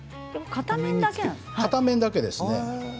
片面だけですね。